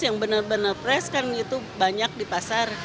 yang benar benar fresh kan itu banyak di pasar